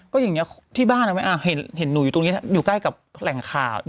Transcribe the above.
ก็อย่างนี้ที่บ้านเห็นหนูอยู่ตรงนี้อยู่ใกล้กับแหล่งข่าว